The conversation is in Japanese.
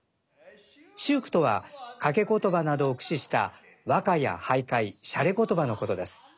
秀句とは掛詞などを駆使した和歌や俳諧しゃれことばのことです。